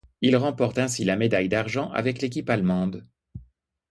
Il remporte ainsi la médaille d'argent avec l'équipe allemande.